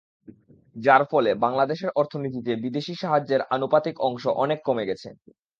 যার ফলে বাংলাদেশের অর্থনীতিতে বিদেশি সাহায্যের আনুপাতিক অংশ অনেক কমে গেছে।